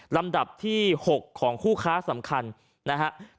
ลำดับที่๖ของคู่ค้าสำคัญนะครับ